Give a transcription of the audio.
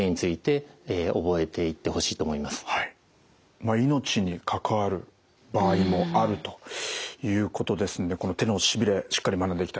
まあ命に関わる場合もあるということですんでこの手のしびれしっかり学んでいきたいですね。